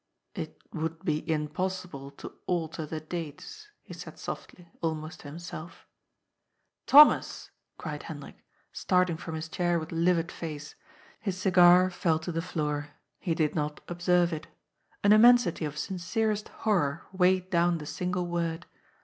'^ It would be impossible to alter the dates," he said softly, almost to himself. " Thomas I " cried Hendrik, starting from his chair with livid face. His cigar fell to the floor. He did not observe it. An immensity of sincerest horror weighed down the single word.